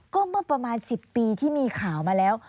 ก็เมื่อประมาณ๑๐ปีที่มีข่าวมาแล้ว